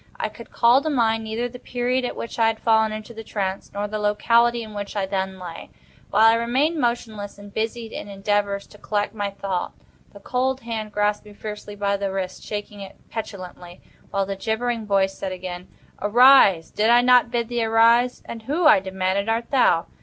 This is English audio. I could call to mind neither the period at which I had fallen into the trance, nor the locality in which I then lay. While I remained motionless, and busied in endeavors to collect my thought, the cold hand grasped me fiercely by the wrist, shaking it petulantly, while the gibbering voice said again: "Arise! did I not bid thee arise?" "And who," I demanded, "art thou?"